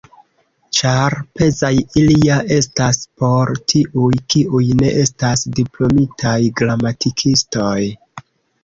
Ĉar pezaj ili ja estas por tiuj, kiuj ne estas diplomitaj gramatikistoj.